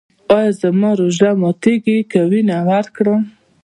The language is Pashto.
ایا زما روژه ماتیږي که وینه ورکړم؟